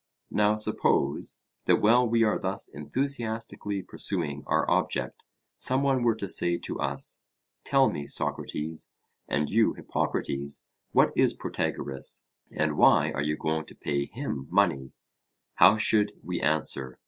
Now suppose, that while we are thus enthusiastically pursuing our object some one were to say to us: Tell me, Socrates, and you Hippocrates, what is Protagoras, and why are you going to pay him money, how should we answer?